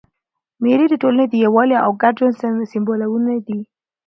مېلې د ټولني د یووالي او ګډ ژوند سېمبولونه دي.